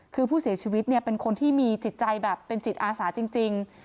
คือผู้เสียชีวิตเนี่ยเป็นคนที่มีจิตใจแบบเป็นจิตอาสาจริง